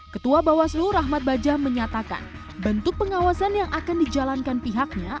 ketua bawaslu rahmat bajah menyatakan bentuk pengawasan yang akan dijalankan pihaknya